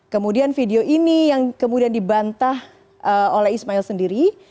kemudian video ini yang kemudian dibantah oleh ismail sendiri